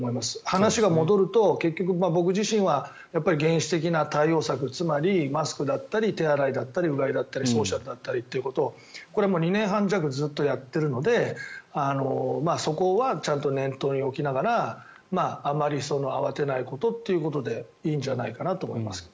話が戻ると結局、僕自身は原始的な対応策つまり、マスクだったり手洗いだったり、うがいだったりソーシャルだったりということをこれは２年半弱ずっとやっているのでそこはちゃんと念頭に置きながらあまり慌てないことということでいいんじゃないかなと思います。